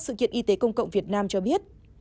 sự kiện y tế công cộng việt nam cho biết